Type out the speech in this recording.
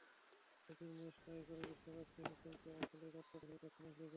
সেদিন match tie করেও বিশ্বকাপ থেকে কিন্তু আসলেই বাদ পড়েছিল দক্ষিণ আফ্রিকা।